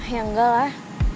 ya enggak lah